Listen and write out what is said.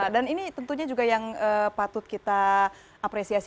dan ini tentunya juga yang patut kita apresiasi